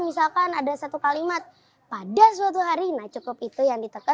misalkan ada satu kalimat pada suatu hari nah cukup itu yang ditekan